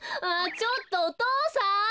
ああちょっとお父さん！